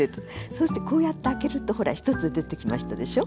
そしてこうやって開けるとほら１つ出てきましたでしょ。